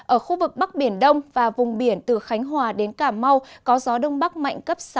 ở khu vực bắc biển đông và vùng biển từ khánh hòa đến cà mau có gió đông bắc mạnh cấp sáu